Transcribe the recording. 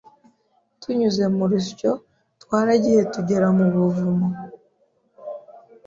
tunyuze mu rusyo twaragiye tugera mu buvumo